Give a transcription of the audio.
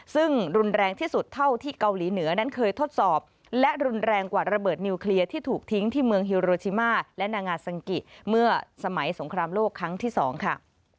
ซึ่งรุนแรงที่สุดเท่าที่เกาหลีเหนือนั้นเคยทดสอบและรุนแรงกว่าระเบิดนิวเคลียร์ที่ถูกทิ้งที่เมืองฮิโรชิมาและนางาซังกิเมื่อสมัยสงครามโลกครั้งที่๒ค่ะ